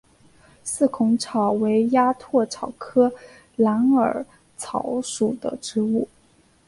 四孔草为鸭跖草科蓝耳草属的植物。